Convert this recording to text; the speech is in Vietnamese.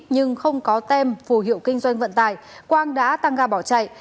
nhưng không có tem phù hiệu kinh doanh vận tải quang đã tăng ga bỏ chạy